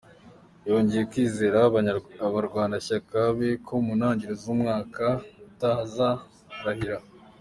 Yongeye kwizeza abarwanashyaka be ko mu ntangiriro z’umwaka utaha azarahira.